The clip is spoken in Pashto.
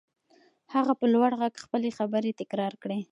هغه په لوړ غږ خپلې خبرې تکرار کړې.